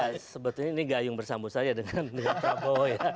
ya sebetulnya ini gayung bersambut saja dengan prabowo ya